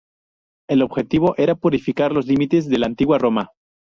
El objetivo era purificar los límites de la Antigua Roma.